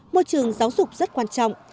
môi trường giáo dục rất quan trọng